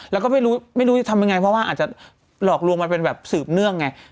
แล้วก็ไม่รู้ไม่รู้จะทำยังไงเพราะว่าอาจจะหลอกลวงมาเป็นแบบสืบเนื่องไง